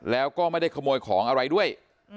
แล้วก็ไม่ได้ขโมยของอะไรด้วย